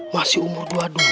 masih umur dua puluh dua